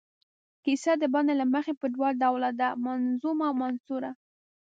کیسه د بڼې له مخې په دوه ډوله ده، منظومه او منثوره.